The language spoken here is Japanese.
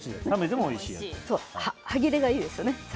歯切れがいいですよね。